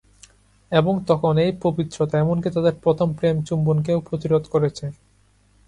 এবং এখন এই "পবিত্রতা" এমনকি তাদের প্রথম প্রেম- চুম্বনকেও প্রতিরোধ করেছে।